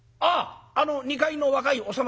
あの二階の若いお侍？